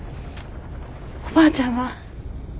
おばあちゃんは？